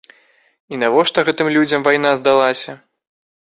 І навошта гэтым людзям вайна здалася?!